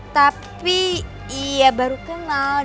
tapi iya baru kenal